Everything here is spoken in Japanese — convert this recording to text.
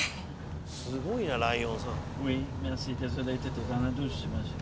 すごいなライオンさん。